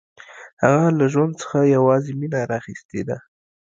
هغه له ژوند څخه یوازې مینه راخیستې ده